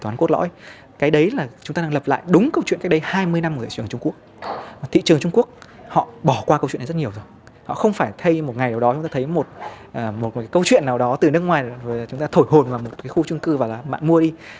rồi chúng ta thổi hồn vào một khu chung cư và mạng mua đi